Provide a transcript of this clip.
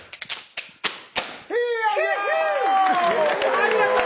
ありがとう！